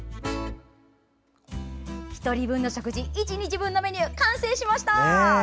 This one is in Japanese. １人分の食事１日分のメニュー、完成しました。